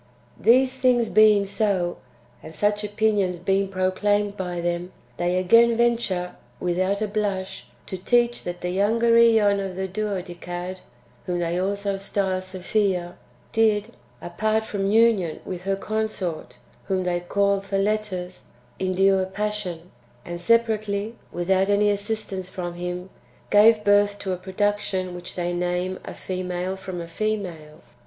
3. These things being so, and such opinions being pro claimed by them, they again venture, without a blush, to teach that the younger ^on of the Duodecad, whom they also style Sophia, did, apart from union with her consort, whom they call Theletus, endure passion, and separately, without any assistance from him, gave birth to a production which they name "a female from a female."